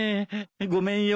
ごめんよ